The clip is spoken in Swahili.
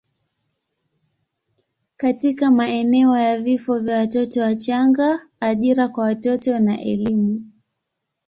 katika maeneo ya vifo vya watoto wachanga, ajira kwa watoto na elimu.